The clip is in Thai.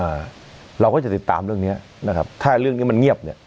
อ่าเราก็จะติดตามเรื่องเนี้ยนะครับถ้าเรื่องนี้มันเงียบเนี้ย